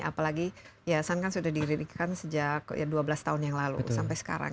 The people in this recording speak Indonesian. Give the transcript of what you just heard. apalagi yayasan kan sudah didirikan sejak dua belas tahun yang lalu sampai sekarang